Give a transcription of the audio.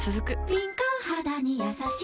敏感肌にやさしい